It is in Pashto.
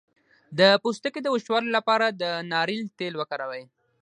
د پوستکي د وچوالي لپاره د ناریل تېل وکاروئ